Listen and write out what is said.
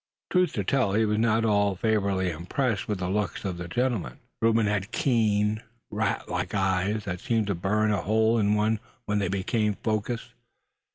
Truth to tell, he was not at all favorably impressed with the looks of the gentleman. Reuben had keen, rat like eyes, that seemed to burn a hole in one when they became focused.